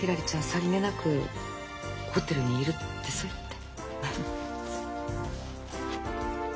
さりげなくホテルにいるってそう言って。